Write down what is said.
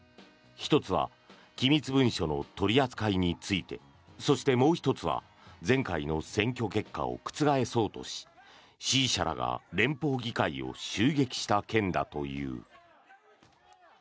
１つは機密文書の取り扱いについてそして、もう１つは前回の選挙結果を覆そうとし支持者らが連邦議会を襲撃した件だという。